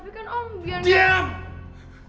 tapi om bianca